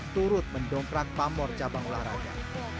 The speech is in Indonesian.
turut mendongkrak pamor cabang olahraga